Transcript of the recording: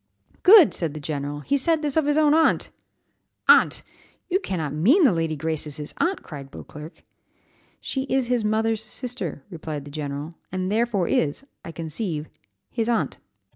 '" "Good!" said the general, "he said this of his own aunt!" "Aunt! You cannot mean that Lady Grace is his aunt?" cried Beauclerc. "She is his mother's sister," replied the general, "and therefore is, I conceive, his aunt."